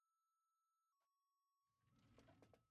unashauriwa kuchemsha viazi na maganda yake